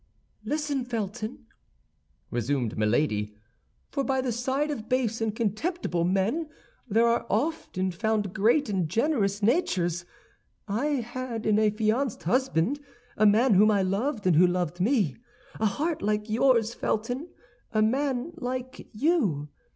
"Listen, Felton," resumed Milady, "for by the side of base and contemptible men there are often found great and generous natures. I had an affianced husband, a man whom I loved, and who loved me—a heart like yours, Felton, a man like you.